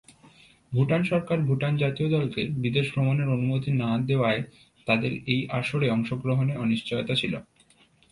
ভুটান সরকার ভুটান জাতীয় দলকে বিদেশে ভ্রমণের অনুমতি না দেওয়ায় তাদেরও এই আসরে অংশগ্রহণে অনিশ্চয়তা ছিল।